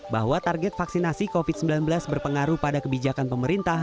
bahwa target vaksinasi covid sembilan belas berpengaruh pada kebijakan pemerintah